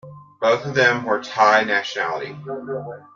Both of them were of Thai nationality.